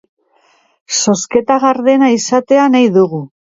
Zozketa gardena izatea nahi dugu.